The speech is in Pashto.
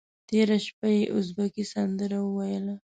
تېره شپه یې ازبکي سندره وویله.